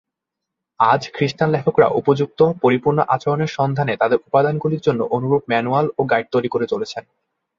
আজ, খ্রিস্টান লেখকরা উপযুক্ত, পরিপূর্ণ আচরণের সন্ধানে তাদের উপাদানগুলির জন্য অনুরূপ ম্যানুয়াল ও গাইড তৈরি করে চলেছেন।